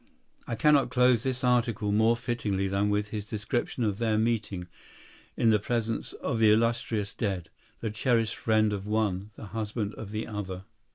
I cannot close this article more fittingly than with his description of their meeting in the presence of the illustrious dead—the cherished friend of one, the husband of the other.